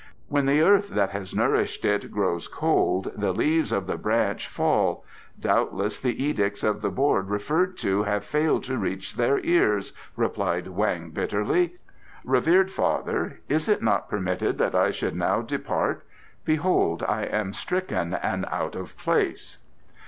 "When the earth that has nourished it grows cold the leaves of the branch fall doubtless the edicts of the Board referred to having failed to reach their ears," replied Weng bitterly. "Revered father, is it not permitted that I should now depart? Behold I am stricken and out of place."